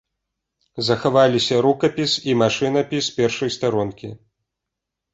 Захаваліся рукапіс і машынапіс першай старонкі.